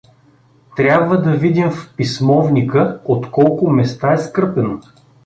Трябва да видим в писмовника от колко места е скърпено.